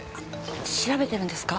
調べてるんですか？